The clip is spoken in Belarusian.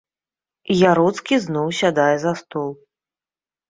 Яроцкі зноў сядае за стол.